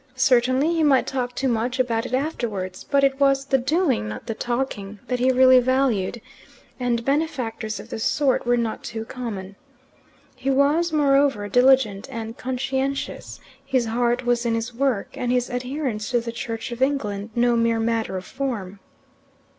Certainly he might talk too much about it afterwards; but it was the doing, not the talking, that he really valued, and benefactors of this sort are not too common. He was, moreover, diligent and conscientious: his heart was in his work, and his adherence to the Church of England no mere matter of form.